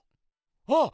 あっ！